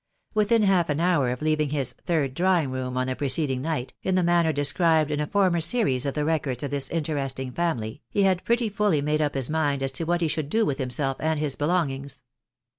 Within half an hour of leaving Ms " third drawing room " on the preceding night, in the manner described in a former series of the records of this interesting family, he had pretty fully made up his mind as to what he should do with himself and his belongings.